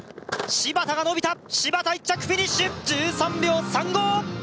芝田が伸びた芝田１着フィニッシュ１３秒３５！